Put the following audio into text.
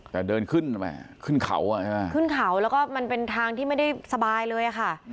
แต่เดินขึ้นขึ้นเขาแล้วก็มันเป็นทางที่ไม่ได้สบายเลยค่ะ